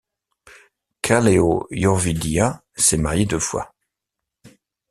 Chaleo Yoovidhya s'est marié deux fois.